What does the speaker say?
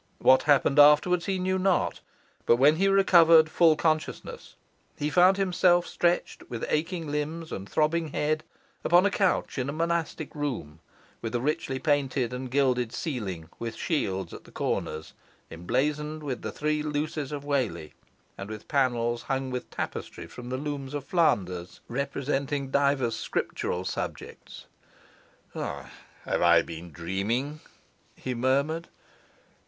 What happened afterwards he knew not; but when he recovered full consciousness, he found himself stretched, with aching limbs and throbbing head, upon a couch in a monastic room, with a richly painted and gilded ceiling, with shields at the corners emblazoned with the three luces of Whalley, and with panels hung with tapestry from the looms of Flanders, representing divers Scriptural subjects. "Have I been dreaming?" he murmured.